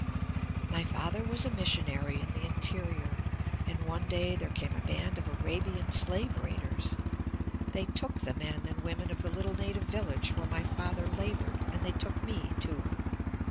"My father was a missionary in the interior and one day there came a band of Arabian slave raiders. They took the men and women of the little native village where my father labored, and they took me, too.